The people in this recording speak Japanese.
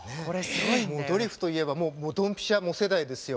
ドリフといえばドンピシャ世代ですよ。